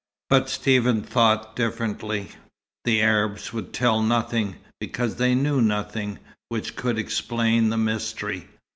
But Stephen thought differently. The Arabs would tell nothing, because they knew nothing which could explain the mystery.